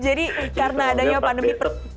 jadi karena adanya pandemi